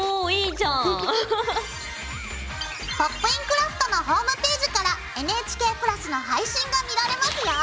クラフト」のホームページからＮＨＫプラスの配信が見られますよ。